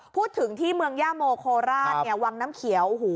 พูดถึงที่เมืองย่าโมโคราชวังน้ำเขียว